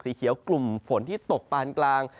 สีเขียวกลุ่มฝนที่ตกปานกลาง